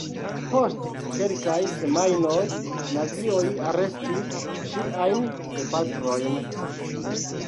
Post kelkaj semajnoj nazioj arestis ŝiajn gepatrojn.